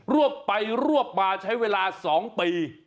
วบไปรวบมาใช้เวลา๒ปี